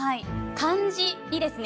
漢字いいですね。